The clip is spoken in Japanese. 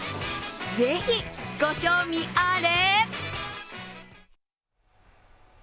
是非、ご賞味あれ。